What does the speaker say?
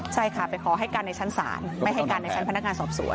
ใช่ค่ะไปขอให้การในชั้นศาลไม่ให้การในชั้นพนักงานสอบสวน